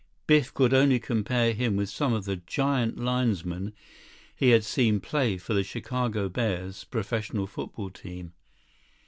Biff could only compare him with some of the giant linesmen he had seen play for the Chicago Bears professional football team.